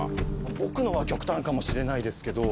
僕のは極端かもしれないですけど。